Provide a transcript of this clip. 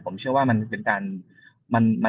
ผมเชื่อว่ามันเป็นอุปสรรคของการพัฒนากีฬา